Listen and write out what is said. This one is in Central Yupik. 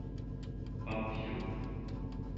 paplu